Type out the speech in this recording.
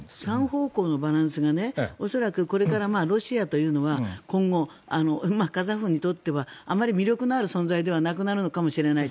３方向のバランスが恐らくロシアというのは今後、カザフにとってはあまり魅力のある存在ではなくなるのかもしれない。